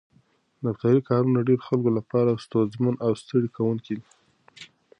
دفتري کارونه د ډېرو خلکو لپاره ستونزمن او ستړي کوونکي دي.